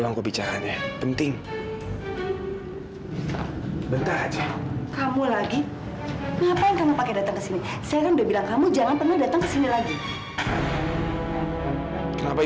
kamu bingung ya